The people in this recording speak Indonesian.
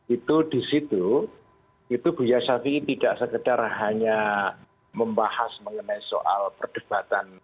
itu disitu itu buya syafiq ima arief tidak sekedar hanya membahas mengenai soal perdebatan